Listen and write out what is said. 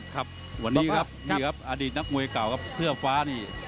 ครับวันนี้ครับอดีตนักมวยเก่าครับเครือฟ้านี่